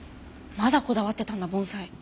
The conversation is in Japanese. まだこだわってたんだ盆栽。